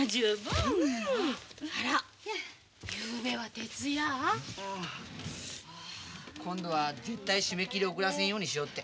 うん。今度は絶対締め切り遅らせんようにしようって。